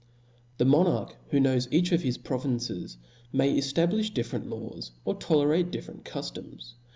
The monarch who knows each of hi^ provinces^ may eftablifh different laws, or tolerate different cuftoms.